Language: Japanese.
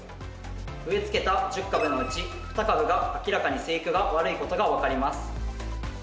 植えつけた１０株のうち２株が明らかに生育が悪いことが分かります。